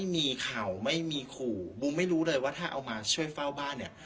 เข่าไม่มีขู่บูมไม่รู้เลยว่าถ้าเอามาช่วยเฝ้าบ้านเนี่ย